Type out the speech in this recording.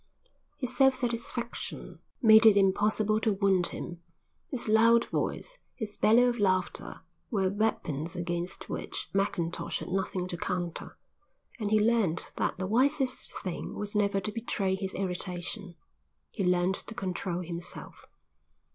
His self satisfaction made it impossible to wound him. His loud voice, his bellow of laughter, were weapons against which Mackintosh had nothing to counter, and he learned that the wisest thing was never to betray his irritation. He learned to control himself.